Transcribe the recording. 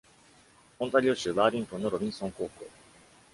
オンタリオ州バーリントンのロビンソン高校。